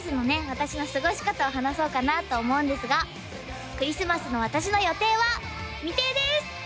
私の過ごし方を話そうかなと思うんですがクリスマスの私の予定は未定です！